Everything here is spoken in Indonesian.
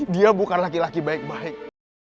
dia bukan laki laki baik baik